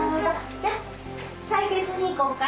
じゃあ採血に行こうか。